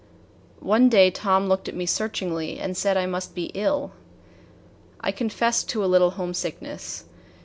One day Tom looked at me searchingly, and said I must be ill. I confessed to a little homesickness.